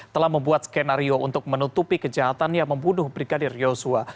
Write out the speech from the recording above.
telah membuat skenario untuk menutupi kejahatannya membunuh brigadir yosua